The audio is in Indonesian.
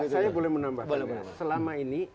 saya boleh menambah selama ini